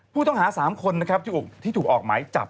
ผู้ต้องหา๓คนที่ถูกออกหมายจับ